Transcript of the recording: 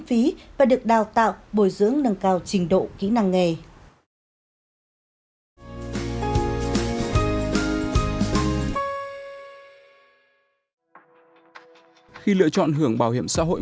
phí và được đào tạo bồi dưỡng nâng cao trình độ kỹ năng nghề khi lựa chọn hưởng bảo hiểm xã hội